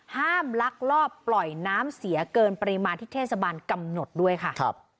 ลักลอบปล่อยน้ำเสียเกินปริมาณที่เทศบาลกำหนดด้วยค่ะ